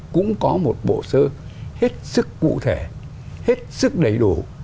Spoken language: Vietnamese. cũng có một bộ sơ hết sức cụ thể hết sức đầy đủ